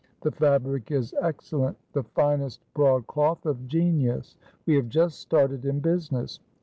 The fabric is excellent the finest broadcloth of genius. We have just started in business.